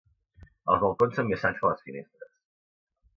Els balcons són més sans que les finestres.